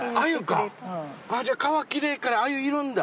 川きれいから鮎いるんだ。